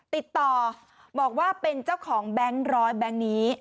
ติดต่อบอกว่าเป็นเจ้าของแบงค์ร้อยแบงค์นี้